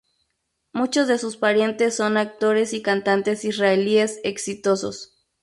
Muchos de sus parientes son actores y cantantes israelíes exitosos.